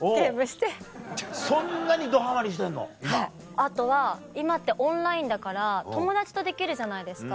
あとは今ってオンラインだから友達とできるじゃないですか。